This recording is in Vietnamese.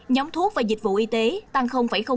nhóm thuốc và dịch vụ y tế tăng năm